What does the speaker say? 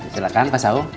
silakan pak sok